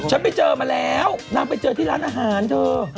ฉันไปเจอมาแล้วนางไปเจอที่ร้านอาหารเธอ